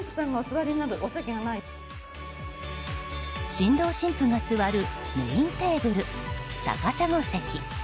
新郎新婦が座るメインテーブル、高砂席。